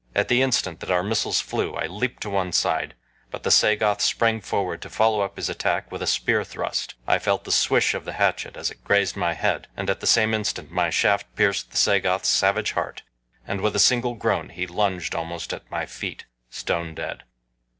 At the instant that our missiles flew I leaped to one side, but the Sagoth sprang forward to follow up his attack with a spear thrust. I felt the swish of the hatchet as it grazed my head, and at the same instant my shaft pierced the Sagoth's savage heart, and with a single groan he lunged almost at my feet stone dead.